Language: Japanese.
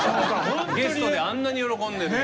ゲストであんなに喜んでる。